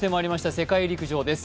世界陸上です。